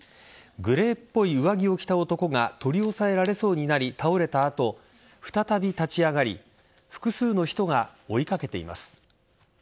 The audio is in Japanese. グレーっぽい上着を着た男が取り押さえられそうになり倒れた後、再び立ち上がり複数の人が追いかけています。